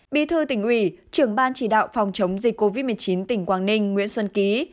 bí thư tỉnh ủy trưởng ban chỉ đạo phòng chống dịch covid một mươi chín tỉnh quảng ninh nguyễn xuân ký